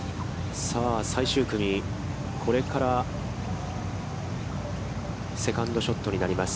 最終組、これからセカンドショットになります。